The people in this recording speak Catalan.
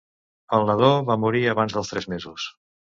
El nadó va morir abans dels tres mesos.